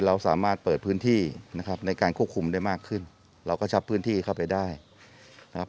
เราสามารถเปิดพื้นที่นะครับในการควบคุมได้มากขึ้นเราก็ชับพื้นที่เข้าไปได้นะครับ